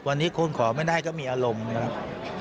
วันนี้คุณขอไม่ได้ก็มีอารมณ์นะครับ